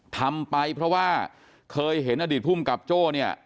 ทำไปเพราะว่าเคยเห็นอดีตภูมิกับโจ้เนี่ย